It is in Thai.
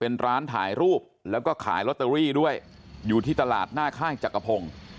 เป็นร้านถ่ายรูปแล้วก็ขายลอตเตอรี่ด้วยอยู่ที่ตลาดหน้าข้างจักรพงศ์